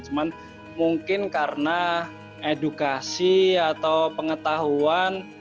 cuman mungkin karena edukasi atau pengetahuan